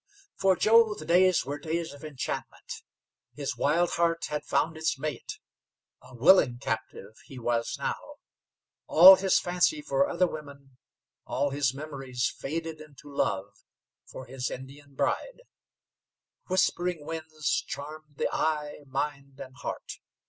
For Joe the days were days of enchantment. His wild heart had found its mate. A willing captive he was now. All his fancy for other women, all his memories faded into love for his Indian bride. Whispering Winds charmed the eye, mind, and heart.